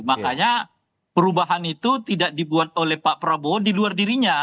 makanya perubahan itu tidak dibuat oleh pak prabowo di luar dirinya